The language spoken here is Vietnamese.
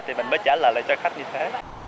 thì mình mới trả lời lại cho khách như thế